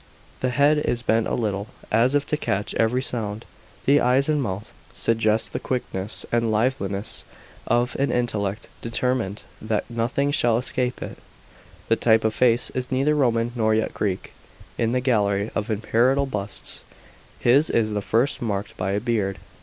The head is bent a little, as if to catch every sound ; the eyes and mouth suggest the quickness and liveliness of an intellect determined that nothing shall escape it. The type of face is neither Roman nor yet Greek. In the gallery of imperial busts, his is the first marked by a beard.